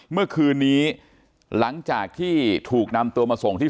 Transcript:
เมื่อคืนนี้หลังจากที่ถูกนำตัวมาส่งที่